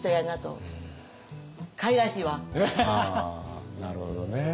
ああなるほどね。